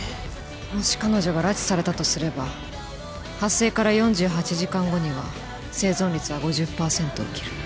もし彼女が拉致されたとすれば発生から４８時間後には生存率は５０パーセントを切る。